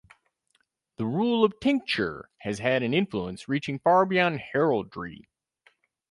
The rule of tincture has had an influence reaching far beyond heraldry.